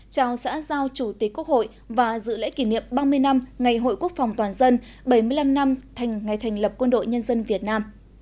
chào xã giao chủ tịch quốc hội và dự lễ kỷ niệm ba mươi năm ngày hội quốc phòng toàn dân bảy mươi năm năm ngày thành lập quân đội nhân dân việt nam